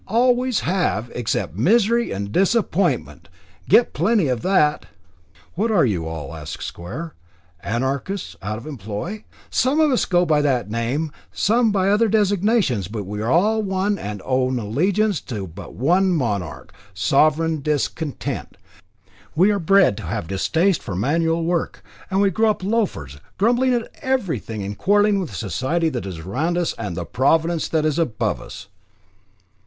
Always have, except misery and disappointment. Get plenty of that." "What are you all?" asked Square. "Anarchists out of employ?" "Some of us go by that name, some by other designations, but we are all one, and own allegiance to but one monarch Sovereign discontent. We are bred to have a distaste for manual work; and we grow up loafers, grumbling at everything and quarrelling with Society that is around us and the Providence that is above us."